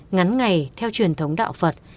ngắn ngày theo truyền thống đạo phật